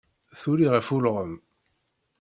Tuli ɣef ulɣem.